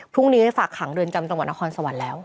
พรุ่งนี้ฝากขังเรือนจำจังหวัดนครสวรรค์แล้ว